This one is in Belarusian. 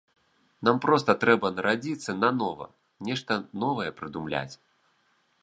Нам проста трэба нарадзіцца нанова, нешта новае прыдумляць.